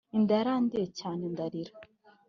Inda yarandiye cyane ndarira